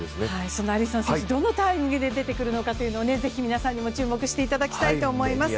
そのアリソン選手どのタイミングで出てくるのかぜひ皆さんにも注目していただきたいと思います。